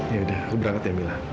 yaudah berangkat ya mila